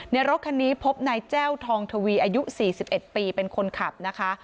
รถคันนี้พบนายแจ้วทองทวีอายุ๔๑ปีเป็นคนขับนะคะ